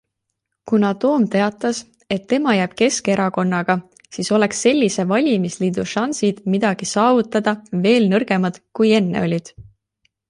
Kuna Toom teatas, et tema jääb Keskerakonnaga, siis oleks sellise valimisliidu šansid midagi saavutada veel nõrgemad, kui enne olid.